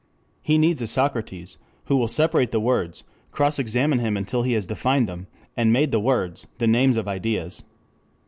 He needs a Socrates who will separate the words, cross examine him until he has defined them, and made words the names of ideas.